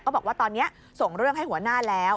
บอกว่าตอนนี้ส่งเรื่องให้หัวหน้าแล้ว